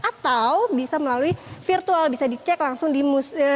atau bisa melalui virtual bisa dicek langsung di museum